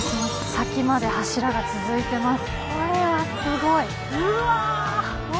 先まで柱が続いてます。